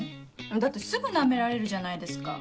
だってすぐナメられるじゃないですか。